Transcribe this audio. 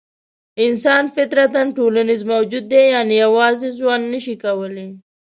انسان فطرتاً ټولنیز موجود دی؛ یعنې یوازې ژوند نه شي کولای.